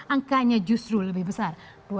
angkanya justru lebih besar